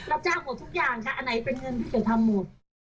รับจ้างหมดทุกอย่างค่ะอันไหนเป็นเงินพี่เขียวทำหมด